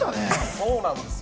そうなんですよ。